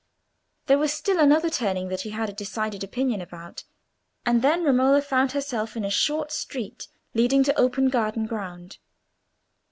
There was still another turning that he had a decided opinion about, and then Romola found herself in a short street leading to open garden ground.